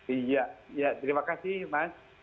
iya ya terima kasih mas